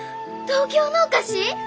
東京のお菓子？